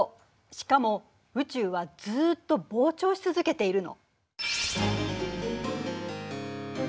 しかも宇宙はずっと膨張し続けているの。